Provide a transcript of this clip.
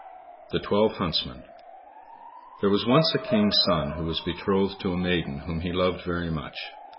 67 The Twelve Huntsmen There was once a King's son who was betrothed to a maiden whom he loved very much.